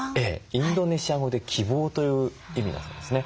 インドネシア語で「希望」という意味だそうですね。